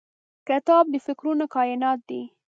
کتاب د فکرونو کائنات دی.